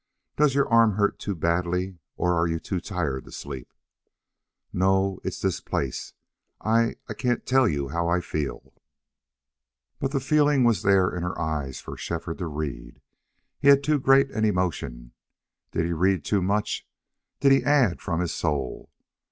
"Does your arm hurt too badly, or are you too tired to sleep?" "No it's this place. I I can't tell you how I feel." But the feeling was there in her eyes for Shefford to read. Had he too great an emotion did he read too much did he add from his soul?